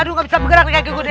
aduh gak bisa bergerak kaki gue